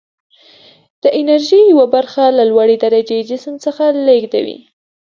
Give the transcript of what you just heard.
د انرژي یوه برخه له لوړې درجې جسم څخه لیږدوي.